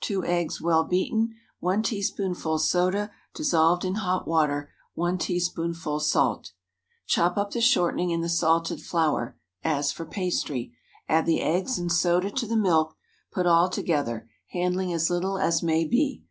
2 eggs, well beaten. 1 teaspoonful soda, dissolved in hot water. 1 teaspoonful salt. Chop up the shortening in the salted flour, as for pastry. Add the eggs and soda to the milk; put all together, handling as little as may be.